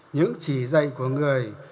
những chỉ dạy của người